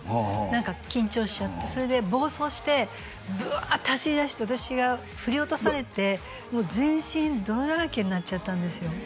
何か緊張しちゃってそれで暴走してブワーッて走りだして私が振り落とされて全身泥だらけになっちゃったんですよ